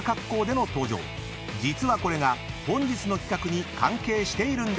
［実はこれが本日の企画に関係しているんです］